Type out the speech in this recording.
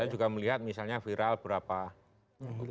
saya juga melihat misalnya viral berapa tindakan dari